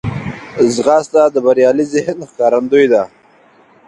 ځغاسته د بریالي ذهن ښکارندوی ده